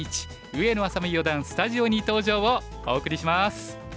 上野愛咲美四段スタジオに登場」をお送りします。